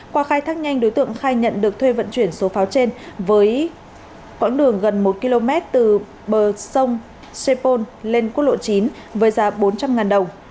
qua khai thác nhanh đối tượng khai nhận được thuê vận chuyển số pháo trên với quãng đường gần một km từ bờ sông sepol lên quốc lộ chín với giá bốn trăm linh đồng